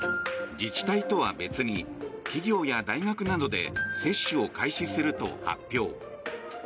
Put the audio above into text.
自治体とは別に企業や大学などで接種を開始すると発表。